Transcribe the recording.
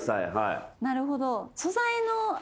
なるほど。